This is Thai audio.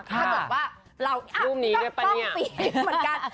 ถ้าแบบว่าเราอ้ะกล้องฟิล์มเหมือนกัน